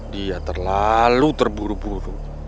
dia terlalu terburu buru